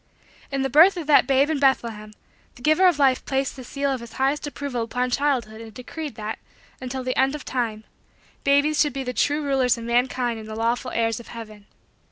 In the birth of that babe in Bethlehem, the Giver of Life placed the seal of his highest approval upon childhood and decreed that, until the end of time, babies should be the true rulers of mankind and the lawful heirs of heaven.